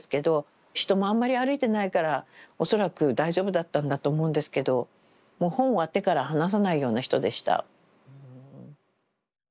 人もあんまり歩いてないから恐らく大丈夫だったんだと思うんですけどもう本は手から離さないような人でした。